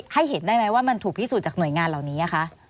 เห็นได้ไหมว่ามันถูกพิสูจนจากหน่วยงานเหล่านี้คะ